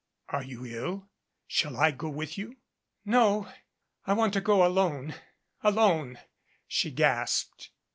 "Are you ill? Shall I go with you?" "No I want to go alone alone " she gasped.